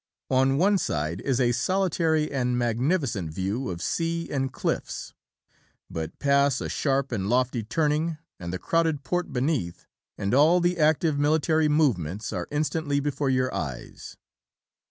On one side is a solitary and magnificent view of sea and cliffs; but pass a sharp and lofty turning, and the crowded port beneath, and all the active military movements, are instantly before your eyes.